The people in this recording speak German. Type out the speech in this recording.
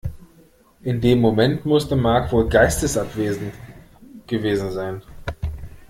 In dem Moment musste Mark wohl geistesabwesend gewesen sein.